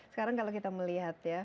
sekarang kalau kita melihat ya